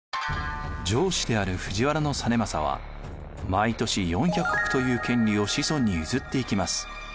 上司である藤原実政は毎年４００石という権利を子孫に譲っていきます。